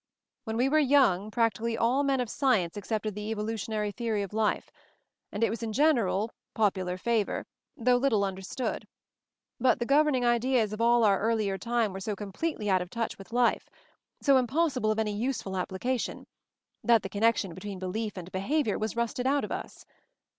"When we were young, prac tically all men of science accepted the evolu tionary theory of life ; and it was in general popular favor, though little understood. But the governing ideas of all our earlier time were so completely out of touch with life ; so impossible of any useful application, that the connection between belief and be havior was rusted out of us.